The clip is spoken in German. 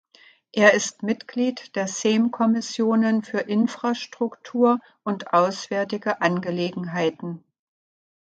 Er ist Mitglied der Sejm Kommissionen für Infrastruktur und Auswärtige Angelegenheiten.